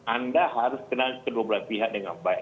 anda harus kenal kedua belah pihak dengan baik